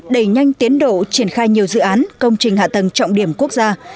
đẩy nhanh tiến độ triển khai nhiều dự án công trình hạ tầng trọng điểm quốc gia